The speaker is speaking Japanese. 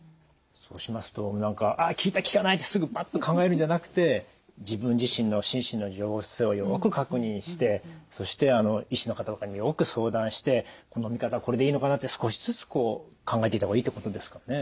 そうしますと効いた効かないってすぐパッと考えるんじゃなくて自分自身の心身の様子をよく確認してそして医師の方とかによく相談してこの見方はこれでいいのかなって少しずつこう考えていった方がいいってことですかね？